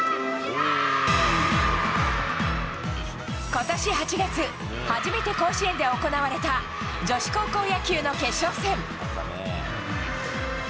今年８月初めて甲子園で行われた女子高校野球の決勝戦。